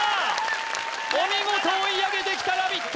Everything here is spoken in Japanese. お見事追い上げてきたラヴィット！